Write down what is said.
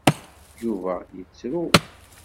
Yuba yettru.